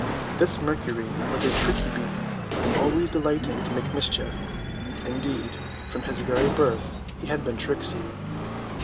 This Mercury was a tricksy being, always de lighting to make mischief. Indeed, from his very birth he had been tricksy.